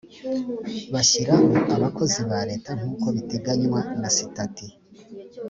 bashyiraho bakozi ba leta nk’uko biteganywa na sitati